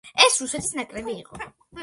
ეს რუსეთის ნაკრები იყო.